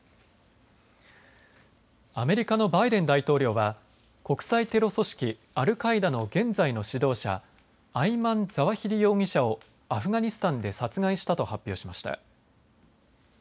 アメリカのバイデン大統領は国際テロ組織アルカイダの現在の指導者アイマン・ザワヒリ容疑者をアフガニスタンで殺害したと発表しました。